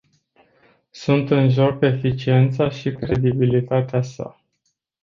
Sunt în joc eficiența și credibilitatea sa.